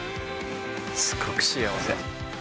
すごく幸せ。